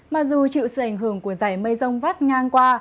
mặc dù chịu sự ảnh hưởng của giải mây rông vắt ngang qua